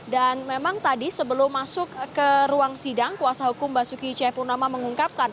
dan memang tadi sebelum masuk ke ruang sidang kuasa hukum basuki c purnama mengungkap